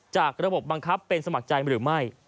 จากระบบบังคับเป็นสมัครใจหรือไม่